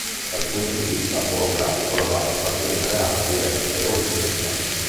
Dal punto di vista orografico la valle appartiene alle Alpi Retiche occidentali.